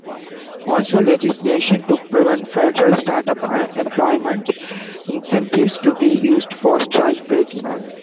Also legislation to prevent federal start-up employment incentives to be used for strike breaking.